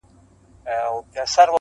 خلکو ویل چي دا پردي دي له پردو راغلي!